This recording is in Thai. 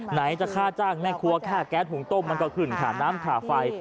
ไหนจะค่าจ้างแม่ครัวค่าแก๊สหุงต้มมันก็ขึ้นค่าน้ำค่าไฟ